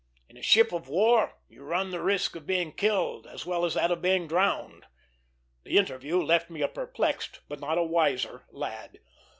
"In a ship of war you run the risk of being killed as well as that of being drowned." The interview left me a perplexed but not a wiser lad.